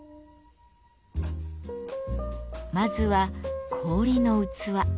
まずは氷の器。